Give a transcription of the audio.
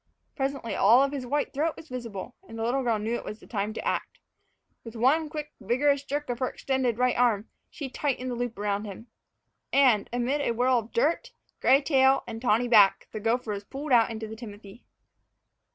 Presently all of his white throat was visible, and the little girl knew that it was time to act. With one quick, vigorous jerk of her extended right arm, she tightened the loop around him. And, amid a whirl of dirt, gray tail, and tawny back, the gopher was pulled out into the timothy.